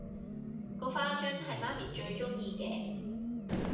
嗰花樽係媽咪最鍾意嘅